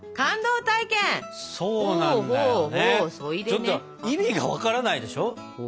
ちょっと意味が分からないでしょ？